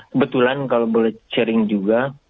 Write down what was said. kebetulan kalau boleh sharing juga